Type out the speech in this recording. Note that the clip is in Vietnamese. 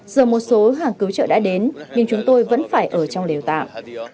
giờ một số hàng cứu trợ đã đến nhưng chúng tôi vẫn phải ở trong lều tạm